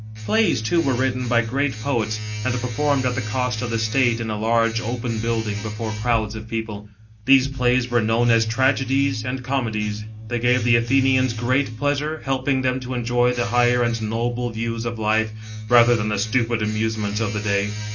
Plays, too, were written by great poets, and performed at the cost of the State in a large open building before crowds of people. These plays were known as tragedies and comedies ; they gave the Athenians great pleas ure, helping them to enjoy the higher and nobler views of life, rather than the stupid amusements of the day.